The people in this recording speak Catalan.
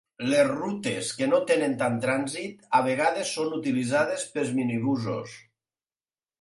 Les rutes que no tenen tan trànsit a vegades són utilitzades pels minibusos.